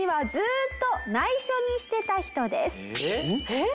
えっ？